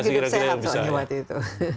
orang hidup sehat soalnya waktu itu